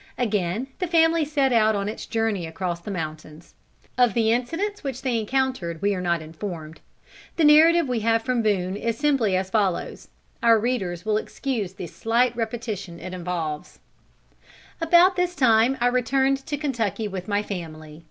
Again the family set out on its journey across the mountains. Of the incidents which they encountered, we are not informed. The narrative we have from Boone is simply as follows: our readers will excuse the slight repetition it involves: "About this time I returned to Kentucky with my family.